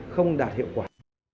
không đạt hiệu quả